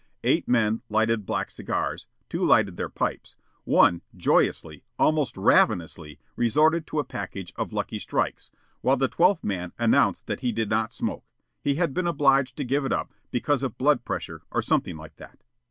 Eight men lighted black cigars, two lighted their pipes, one joyously, almost ravenously resorted to a package of "Lucky Strikes," while the twelfth man announced that he did not smoke. He had been obliged to give it up because of blood pressure or something like that.